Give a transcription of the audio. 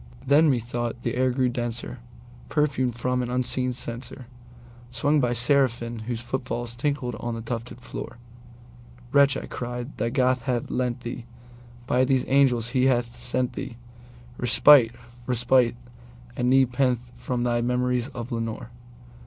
Then, methought, the air grew denser, perfumed from an unseen censerSwung by seraphim whose foot falls tinkled on the tufted floor."Wretch," I cried, "thy God hath lent thee—by these angels he hath sent theeRespite—respite and nepenthe from thy memories of Lenore!"